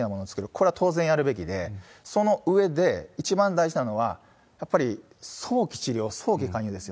これは当然やるべきで、その上で、一番大事なのはやっぱり早期治療、早期介入ですよ。